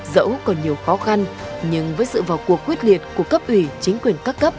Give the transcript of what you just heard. dẫu còn nhiều khó khăn nhưng với sự vào cuộc quyết liệt của cấp ủy chính quyền các cấp